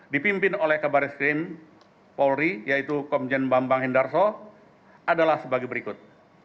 dipimpin oleh kabar eskrim polri yaitu komjen bambang hendarso adalah sebagai berikut